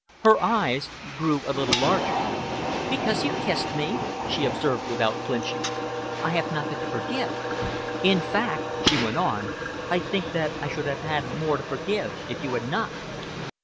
Her eyes grew a little larger. "Because you kissed me?" she observed, without flinching. "I have nothing to forgive. In fact," she went on, "I think that I should have had more to forgive if you had not."